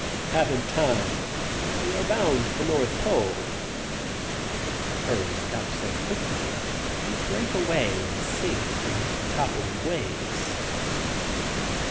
"Haven't time; we are bound to the North Pole." Hurrying up so quickly, we break away and sink beneath the toppling waves.